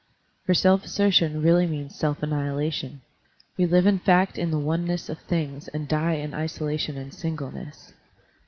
For self assertion really means self annihilation. We live in fact in the oneness of things and die in isolation and singleness.